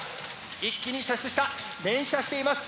一気に射出した連射しています。